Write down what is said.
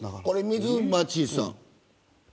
水町さん。